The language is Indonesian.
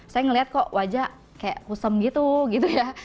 saya melihat kok wajah kusam gitu ya